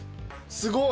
すごい。